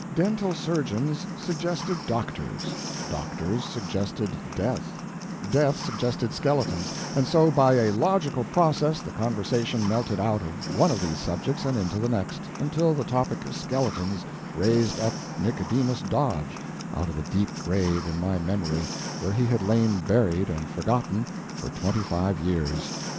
Dental surgeons suggested doctors, doctors suggested death, death suggested skeletons and so, by a logical process the conversation melted out of one of these subjects and into the next, until the topic of skeletons raised up Nicodemus Dodge out of the deep grave in my memory where he had lain buried and forgotten for twenty five years.